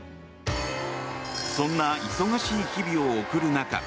そんな忙しい日々を送る中